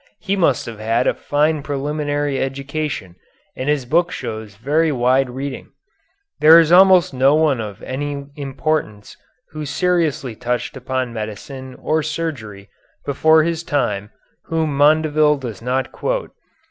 He must have had a fine preliminary education and his book shows very wide reading. There is almost no one of any importance who seriously touched upon medicine or surgery before his time whom Mondeville does not quote.